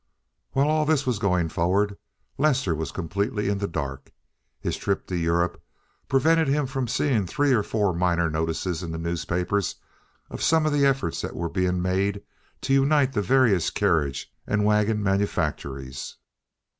While all this was going forward Lester was completely in the dark. His trip to Europe prevented him from seeing three or four minor notices in the newspapers of some of the efforts that were being made to unite the various carriage and wagon manufactories.